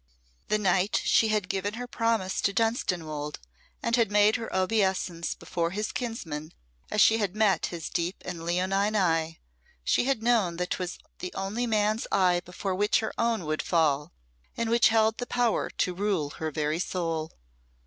The night she had given her promise to Dunstanwolde, and had made her obeisance before his kinsman as she had met his deep and leonine eye, she had known that 'twas the only man's eye before which her own would fall and which held the power to rule her very soul.